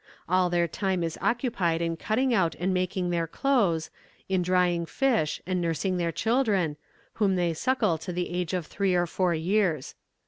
All their time is occupied in cutting out and making their clothes, in drying fish and nursing their children, whom they suckle to the age of three or four years.